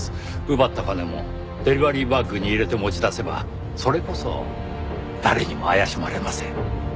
奪った金もデリバリーバッグに入れて持ち出せばそれこそ誰にも怪しまれません。